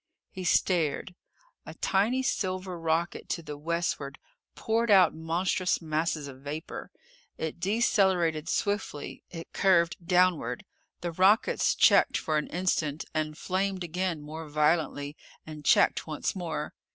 He stared. A tiny silver rocket to the westward poured out monstrous masses of vapor. It decelerated swiftly. It curved downward. The rockets checked for an instant, and flamed again more violently, and checked once more.